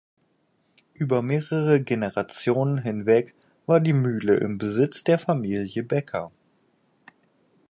Über mehrere Generationen hinweg war die Mühle im Besitz der Familie Becker.